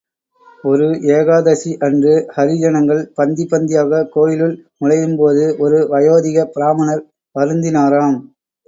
ஒரு ஏகாதசி அன்று ஹரிஜனங்கள் பந்தி பந்தியாக கோயிலுள் நுழையும் போது ஒரு வயோதிக பிராம்மணர் வருந்தினாராம்.